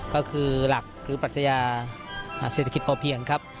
ก็คือหลักหรือปัชญาเศรษฐกิจพอเพียงครับ